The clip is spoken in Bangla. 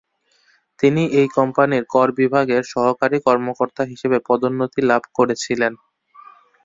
তিনি এই কোম্পানির কর বিভাগের সহকারী কর্মকর্তা হিসেবে পদোন্নতি লাভ করেছিলেন।